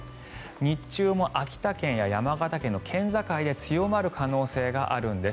日中も秋田県や山形県の県境で強まる可能性があるんです。